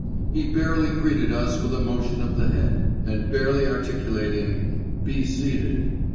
He barely greeted us with a motion of the head, and barely articulating 'Be seated!